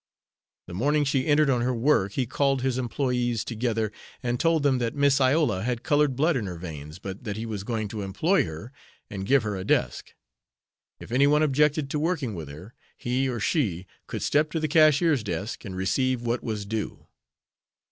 The morning she entered on her work he called his employés together, and told them that Miss Iola had colored blood in her veins, but that he was going to employ her and give her a desk. If any one objected to working with her, he or she could step to the cashier's desk and receive what was due.